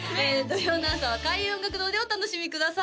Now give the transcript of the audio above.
土曜の朝は開運音楽堂でお楽しみください